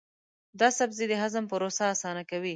دا سبزی د هضم پروسه اسانه کوي.